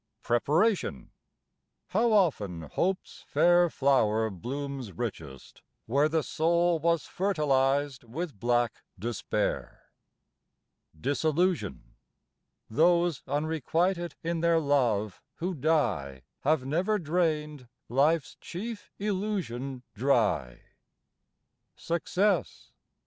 PREPARATION. How often hope's fair flower blooms richest where The soul was fertilized with black despair. DISILLUSION. Those unrequited in their love who die Have never drained life's chief illusion dry. SUCCESS.